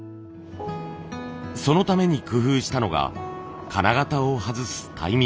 そのために工夫したのが金型を外すタイミング。